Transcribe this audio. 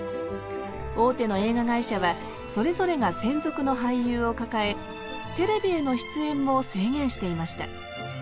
大手の映画会社はそれぞれが専属の俳優を抱えテレビへの出演も制限していました。